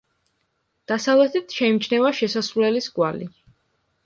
დასავლეთით შეიმჩნევა შესასვლელის კვალი.